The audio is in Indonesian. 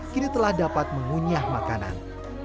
kini telah dapat mengunyah makanan